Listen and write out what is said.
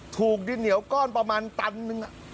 ถูกดินเหนียวก้อนประมาณตันนึง